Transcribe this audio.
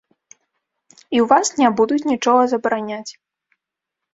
І ў вас не будуць нічога забараняць.